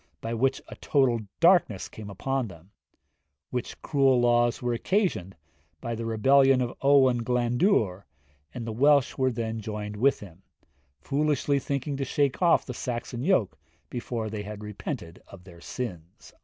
by which a total darkness came upon them; which cruel laws were occasioned by the rebellion of Owen Glandwr, and the Welsh which joined with him; foolishly thinking to shake off the Saxon yoke before they had repented of their sins.'